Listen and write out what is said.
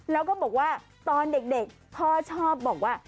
แล้วก็บอกว่าตอนเด็กพ่อชอบบอกว่า